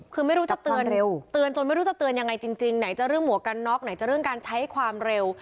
คือไม่รู้จะเตือนเร็วเตือนจนไม่รู้จะเตือนยังไงจริงไหนจะเรื่องหมวกกันน็อกไหนจะเรื่องการใช้ความเร็ว